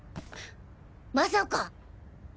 まさか。